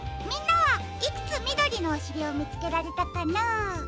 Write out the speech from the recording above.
みんなはいくつみどりのおしりをみつけられたかな？